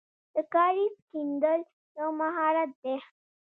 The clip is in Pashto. د کاریز کیندل یو مهارت دی.